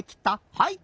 はい！